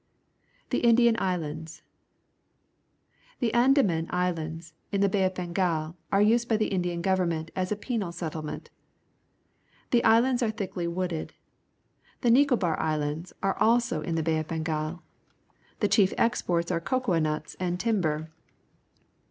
The Indian Islands. — The A ndaman Islands in the Bay of Bengal are used by the Indian government as a penal settlement. The islands are thickly wooded. The Xicobaz ^ Islands are also in the Bay of Bengal. The chief exports are cocoa nuts and timber.